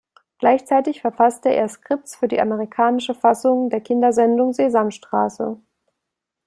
Gleichzeitig verfasste er Scripts für die amerikanische Fassung der Kindersendung Sesamstraße.